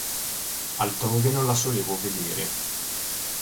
Altrove non la solevo vedere.